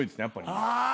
やっぱり。